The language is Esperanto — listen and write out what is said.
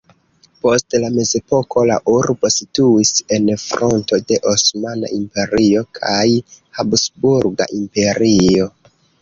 Post la mezepoko la urbo situis en fronto de Osmana Imperio kaj Habsburga Imperio.